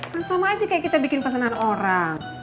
kan sama aja kayak kita bikin pesanan orang